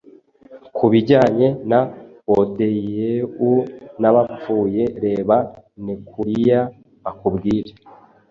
Kubijyanye na Odyeu nabapfuye, reba Nekuliya akubwire